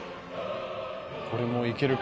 これもいけるか？